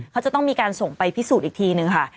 เขาจะต้องมีการส่งไปพิสูจน์อีกทีนึงค่ะ